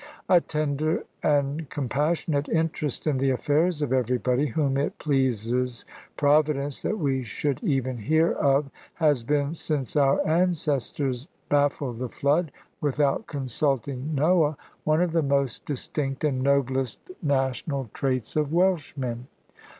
A tender and compassionate interest in the affairs of everybody, whom it pleases Providence that we should even hear of, has been (since our ancestors baffled the Flood, without consulting Noah) one of the most distinct and noblest national traits of Welshmen.